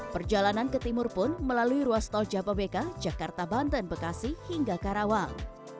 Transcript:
perjalanan ke timur pun melalui ruas tol japabeka jakarta banten bekasi hingga karawang